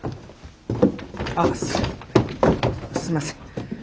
あっすいません。